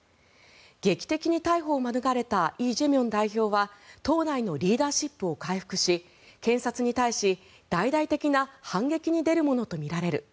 劇的に逮捕を免れたイ・ジェミョン代表は党内のリーダーシップを回復し検察に対して大々的な反撃に出るものとみられる。